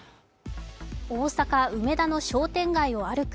大阪・梅田の商店街を歩く